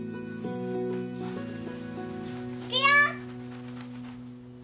行くよ！